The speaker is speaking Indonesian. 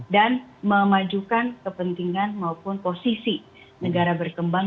dan memajukan kepentingan maupun posisi negara berkembang